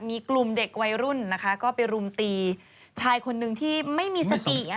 มีกลุ่มเด็กวัยรุ่นนะคะก็ไปรุมตีชายคนนึงที่ไม่มีสติ